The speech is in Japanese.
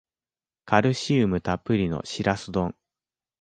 カルシウムたっぷりのシラス丼